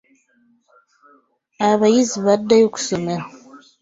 Abayizi baddayo ku ssomero.